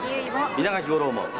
稲垣吾郎も。